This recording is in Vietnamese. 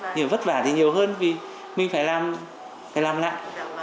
nhiều vất vả thì nhiều hơn vì mình phải làm lại